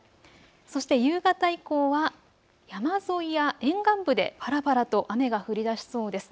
そして夕方以降は山沿いや沿岸部でぱらぱらと雨が降りだしそうです。